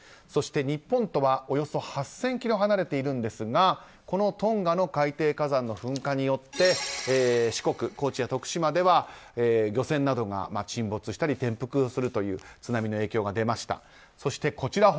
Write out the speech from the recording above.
そして、日本とはおよそ８０００ｋｍ離れているんですがこのトンガの海底火山の噴火で四国、高知や徳島では漁船などが沈没したり転覆するという津波の影響が出ました。